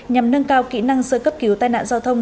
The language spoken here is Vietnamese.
nhằm nâng cao kỹ năng sơ cấp cứu tai nạn giao thông